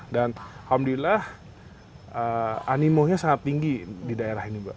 dan alhamdulillah animonya sangat tinggi di daerah ini mbak